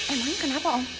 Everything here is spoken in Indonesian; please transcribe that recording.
emangnya kenapa om